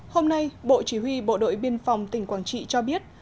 hôm nay bộ chỉ huy bộ đội biên phòng tỉnh quảng trị cho biết